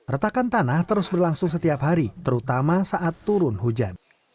retakan tanah terus berlangsung setiap hari terutama saat turun hujan